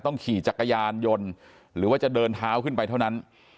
ขี่จักรยานยนต์หรือว่าจะเดินเท้าขึ้นไปเท่านั้น